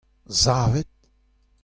Savit.